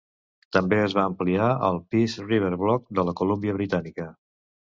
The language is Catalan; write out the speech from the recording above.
També es va ampliar al Peace River Block de la Colúmbia Britànica.